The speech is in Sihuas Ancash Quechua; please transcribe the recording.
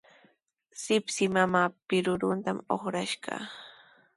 Shipshi mamaa pirurunta uqrashqa.